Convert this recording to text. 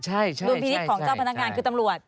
โดยพิษของเจ้าพนักงานคือตำรวจ